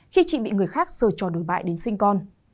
khi chị bị người khác sờ trò đổi bại đến sinh con